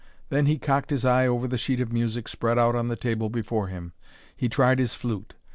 Then he cocked his eye over the sheet of music spread out on the table before him. He tried his flute.